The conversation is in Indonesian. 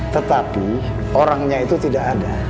tetapi orangnya itu tidak ada